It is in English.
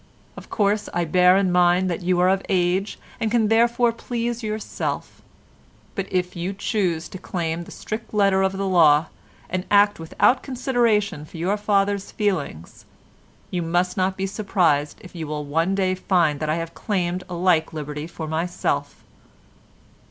Of course, I bear in mind that you are of age, and can therefore please yourself, but if you choose to claim the strict letter of the law, and act without consideration for your father's feelings, you must not be surprised if you one day find that I have claimed a like liberty for myself.